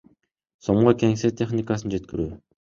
сомго кеңсе техникасын жеткирүү.